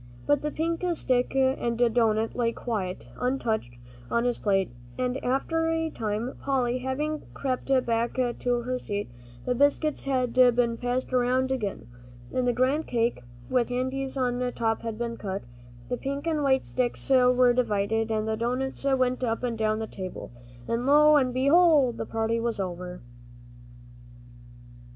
But the pink stick and doughnut lay quite untouched on his plate, and after a time, Polly having crept back to her seat, the biscuits had been passed around again, and the grand cake with the candies on top had been cut, the pink and white sticks were divided, and the doughnuts went up and down the table, and lo and behold! the party was over.